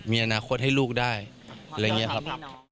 มีอนาคตให้ลูกได้อะไรอย่างนี้ครับ